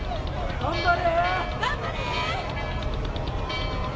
頑張れ！